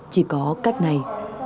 chỉ có cách này